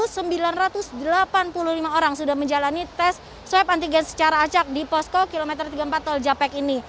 sembilan ratus delapan puluh lima orang sudah menjalani tes swab antigen secara acak di posko kilometer tiga puluh empat tol japek ini